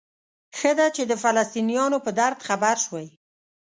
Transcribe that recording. ښه ده چې د فلسطینیانو په درد خبر شوئ.